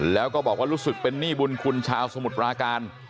แล้วก็บอกว่ารู้สึกเป็นหนี้บุญคุณชาวสมุทรปราการ